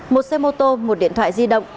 một xe mô tô một điện thoại di động